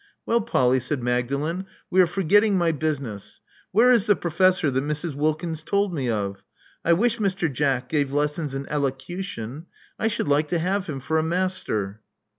*'Well, Polly," said Magdalen, we are forgetting my business. Where is the professor that Mrs. Wilkins told me of? I wish Mr. Jack gave lessons in elocution. I should like to have him for a master."